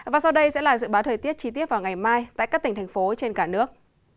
và sau đây sẽ là dự báo thời tiết chi tiết vào ngày mai tại các tỉnh thành phố trên cả nước